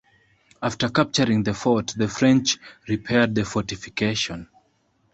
After capturing the fort, the French repaired the fortification.